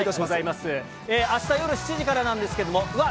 あした夜７時からなんですけれども、うわっ！